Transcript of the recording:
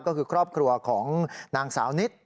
ก็คือครอบครัวของนางสาวนิด